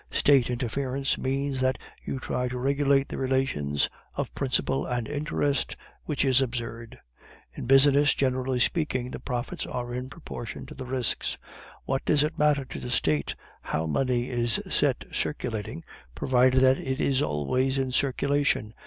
State interference means that you try to regulate the relations of principal and interest, which is absurd. In business, generally speaking, the profits are in proportion to the risks. What does it matter to the State how money is set circulating, provided that it is always in circulation?